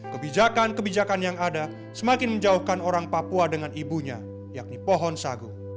kebijakan kebijakan yang ada semakin menjauhkan orang papua dengan ibunya yakni pohon sagu